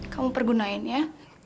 kamu pergunain ya